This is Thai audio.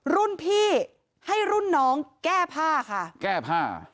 รุ่นพี่ให้รุ่นน้องแก้ผ้าค่ะแก้ผ้า